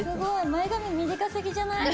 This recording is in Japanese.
前髪短すぎじゃない？